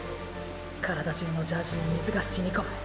体中のジャージに水が浸み込む。